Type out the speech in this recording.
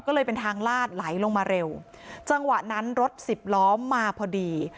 ก็เลยเป็นทางลาดไหลลงมาเร็วจังหวะนั้นรถสิบล้อมาพอดี